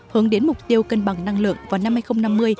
hướng đến mục tiêu cân bằng năng lượng vào năm hai nghìn năm mươi